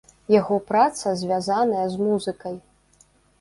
Яго праца звязаная з музыкай.